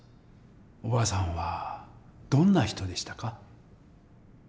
おばあさんはどんな人でしたか？